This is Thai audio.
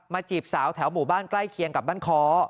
จีบสาวแถวหมู่บ้านใกล้เคียงกับบ้านคอ